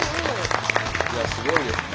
いやすごいですね。